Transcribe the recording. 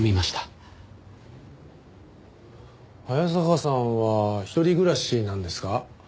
早坂さんは一人暮らしなんですか？